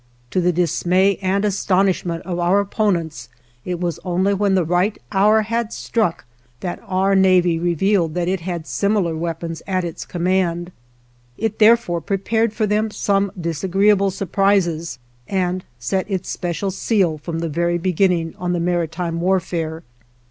To the dismay and astonishment of our opponents it was only when the right hour had struck that our navy revealed that it had similar weapons at its command; it therefore prepared for them some disagreeable surprises, and set its special seal from the very beginning on the maritime warfare.